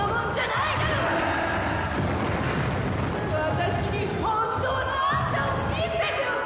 私に本当のアンタを見せておくれ！